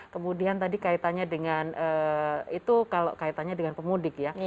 kemudian tadi kaitannya dengan itu kalau kaitannya dengan pemudik ya